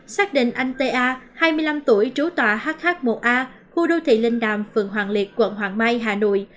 xác định anh ta hai mươi năm tuổi trú tòa hh một a khu đô thị linh đàm phường hoàng liệt quận hoàng mai hà nội